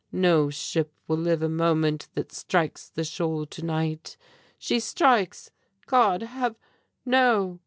No ship will live a moment that strikes the shoal to night. She strikes! God have No!